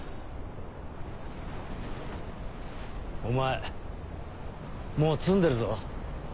お前もう詰んでるぞ。